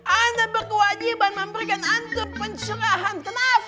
anda berkewajiban memberikan antum pencerahan kenafi